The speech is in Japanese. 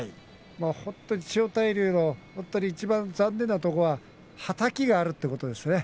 本当に千代大龍の残念なところははたきがあるということですね。